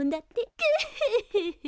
グフフフ。